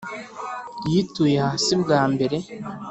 yituye hasi bwa mbere